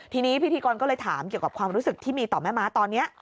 ทีนี้พิธีกรก็เลยถามเกี่ยวกับความรู้สึกที่มีต่อแม่ม้าตอนนี้